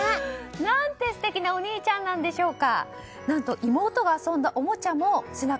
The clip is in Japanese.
何て素敵なお兄ちゃんなんでしょうか。